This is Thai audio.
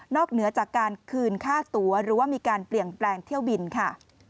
เหนือจากการคืนค่าตัวหรือว่ามีการเปลี่ยนแปลงเที่ยวบินค่ะ